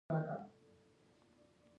کلیمه یوازي یا په ترکیب کښي راځي.